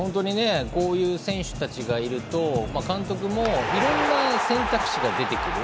こういう選手たちがいると監督もいろんな選択肢が出てくる。